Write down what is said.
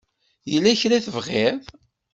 Yella kra i tebɣiḍ?